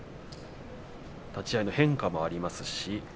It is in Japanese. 立ち合いの変化もあります